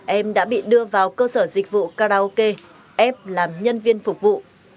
em đã bị đưa vào cơ sở dịch vụ karaoke ép làm nhân viên phục vụ